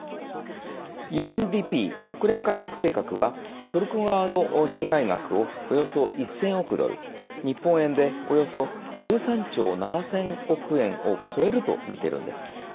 ＵＮＤＰ＝国連開発計画はトルコ側の被害額をおよそ１０００億ドル日本円でおよそ１３兆７０００億円を超えるとみてるんです。